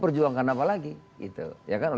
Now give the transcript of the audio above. perjuangkan apa lagi gitu ya kan